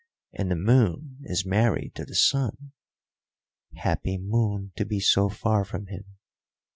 "And the moon is married to the sun." "Happy moon, to be so far from him!"